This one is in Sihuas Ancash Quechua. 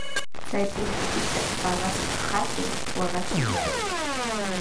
Chay pukyupitaqa paqaspa hatun waakashi yarqun.